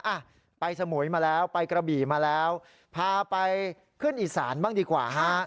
อ่ะไปสมุยมาแล้วไปกระบี่มาแล้วพาไปขึ้นอีสานบ้างดีกว่าฮะ